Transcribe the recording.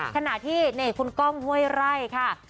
ขณะที่คุณก้องเว้วยไร่ครับ